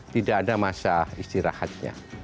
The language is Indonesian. tidak ada masa istirahatnya